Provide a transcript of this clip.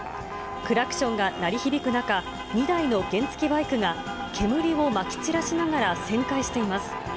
クラクションが鳴り響く中、２台の原付きバイクが煙をまき散らしながら旋回しています。